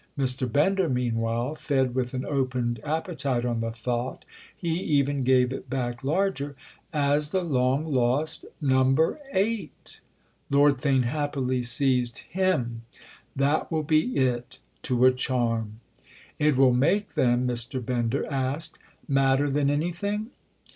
Mr. Bender meanwhile fed with an opened appetite on the thought—he even gave it back larger. "As the long lost Number Eight!" Lord Theign happily seized him. "That will be it—to a charm!" "It will make them," Mr. Bender asked, "madder than anything?"